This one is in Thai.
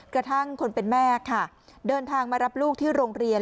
กระทั่งคนเป็นแม่ค่ะเดินทางมารับลูกที่โรงเรียน